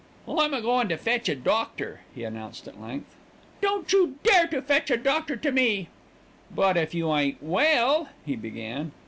"I'm a goin' to fetch a doctor," he announced at length. "Don't you dare to fetch a doctor to me." "But if you ain't well " he began.